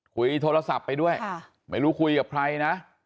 คุยโทรศัพท์ไปด้วยไม่รู้คุยกับใครนะ